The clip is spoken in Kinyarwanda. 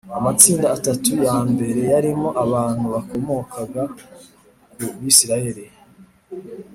amatsinda atatu ya mbere yarimo abantu bakomokaga ku bi siraheli